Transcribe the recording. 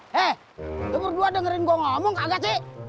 hei lu berdua dengerin gua ngomong kagak sih